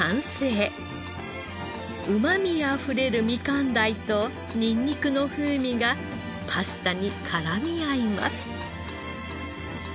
うまみあふれるみかん鯛とニンニクの風味がパスタに絡み合います。